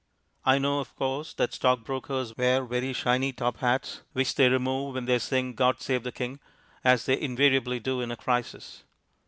I know, of course, that stockbrokers wear very shiny top hats, which they remove when they sing "God Save the King," as they invariably do in a crisis.